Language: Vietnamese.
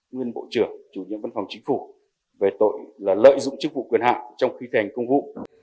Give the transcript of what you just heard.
nguyên bộ trưởng chủ nhận văn phòng chính phủ về tội là lợi dụng chức vụ quyền hạng trong khi thành công vụ